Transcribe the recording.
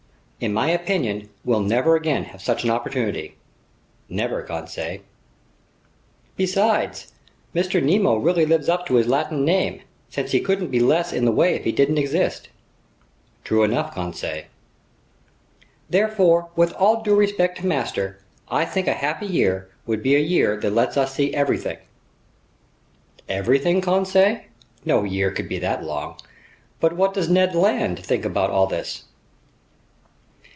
In my opinion, we'll never again have such an opportunity." "Never, Conseil." "Besides, Mr. Nemo really lives up to his Latin name, since he couldn't be less in the way if he didn't exist." "True enough, Conseil." "Therefore, with all due respect to master, I think a 'happy year' would be a year that lets us see everything—" "Everything, Conseil? No year could be that long. But what does Ned Land think about all this?"